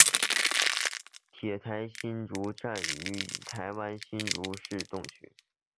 台铁新竹站位于台湾新竹市东区。